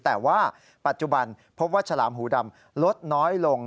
แต่ว่าปัจจุบันพบว่าฉลามหูดำลดน้อยลง